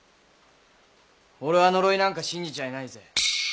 俺は呪いなんか信じちゃいないぜ。